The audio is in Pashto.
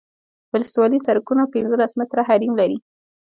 ولسوالي سرکونه پنځلس متره حریم لري